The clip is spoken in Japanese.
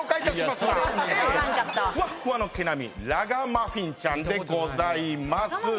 ふわっふわの毛並みラガマフィンちゃんでございます。